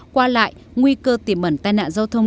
qua lại nguy cơ tiềm ẩn tai nạn giao thông